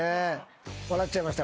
笑っちゃいました？